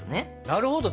なるほど。